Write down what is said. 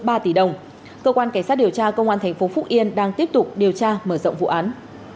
điều tra mở rộng cơ quan cảnh sát điều tra công an thành phố phúc yên đang tiếp tục điều tra mở rộng vụ án